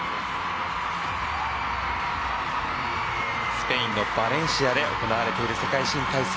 スペインのバレンシアで行われている世界新体操。